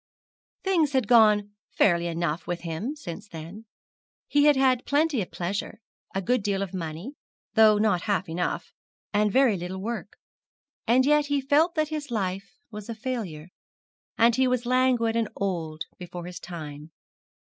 Things had gone fairly enough with him since then. He had had plenty of pleasure; a good deal of money, though not half enough; and very little work. And yet he felt that his life was a failure and he was languid and old before his time.